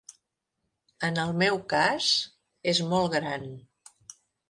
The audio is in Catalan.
En el meu cas és molt gran.